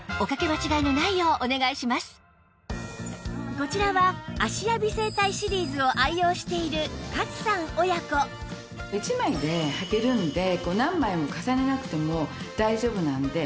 こちらは芦屋美整体シリーズを愛用している勝さん親子一枚ではけるので何枚も重ねなくても大丈夫なので。